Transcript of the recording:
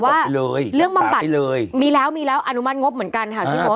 ว่าเรื่องบำบัดมีแล้วมีแล้วอนุมัติงบเหมือนกันค่ะพี่มด